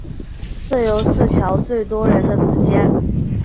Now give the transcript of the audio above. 社游是乔最多人的时间